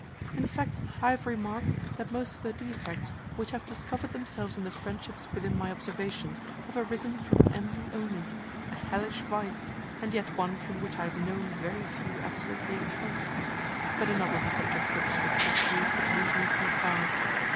In fact, I have remarked, that most of the defects which have discovered themselves in the friendships within my observation have arisen from envy only: a hellish vice; and yet one from which I have known very few absolutely exempt. But enough of a subject which, if pursued, would lead me too far.